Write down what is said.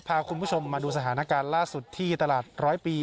พาคุณผู้ชมมาดูสถานการณ์ล่าสุดที่ตลาดร้อยปี